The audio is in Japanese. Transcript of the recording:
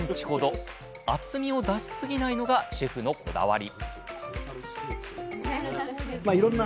厚みを出しすぎないのがシェフのこだわり